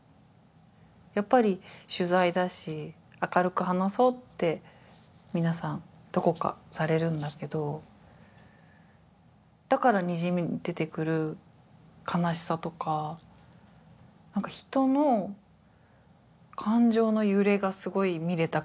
やっぱり取材だし明るく話そうって皆さんどこかされるんだけどだからにじみ出てくる悲しさとか何か人の感情の揺れがすごい見れた回な気がしてます。